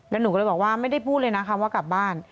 แล้วหนูก็เลยบอกว่าไม่ได้พูดเลยนะคำว่ากลับบ้าน